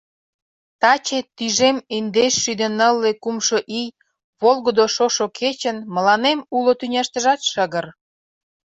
Таче тӱжем индеш шӱдӧ нылле кумшо ий волгыдо шошо кечын мыланем уло тӱняштыжат шыгыр!